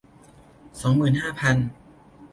สองหมื่นห้าพัน